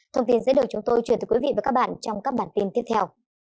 thông tin sẽ được chúng tôi truyền từ quý vị và các bạn trong các bản tin tiếp theo